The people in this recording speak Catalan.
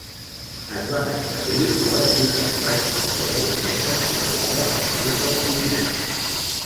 Es van establir a les ciutats basques i aragoneses situades al sud dels Pirineus.